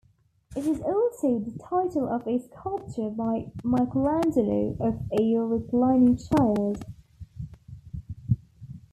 It is also the title of a sculpture by Michelangelo of a reclining child.